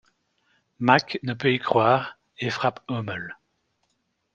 Mak ne peut y croire et frappe Uml...